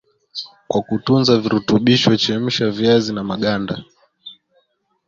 Kwa kutunza virutubisho chemsha viazi na maganda